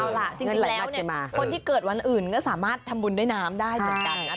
เอาล่ะจริงแล้วเนี่ยคนที่เกิดวันอื่นก็สามารถทำบุญด้วยน้ำได้เหมือนกันนะ